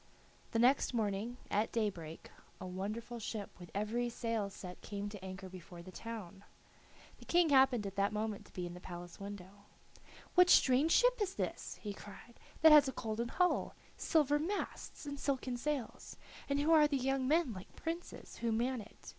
The next morning, at daybreak, a wonderful ship with every sail set came to anchor before the town. The King happened at that moment to be at the palace window. "What strange ship is this," he cried, "that has a golden hull, silver masts, and silken sails, and who are the young men like princes who man it?